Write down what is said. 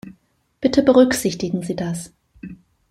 Bitte berücksichtigen Sie das.